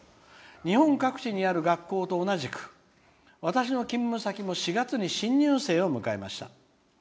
「日本各地にある学校と同じく私の勤務先も４月に新入生を迎えました。